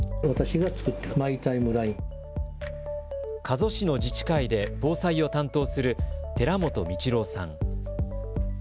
加須市の自治会で防災を担当する寺本道郎さん。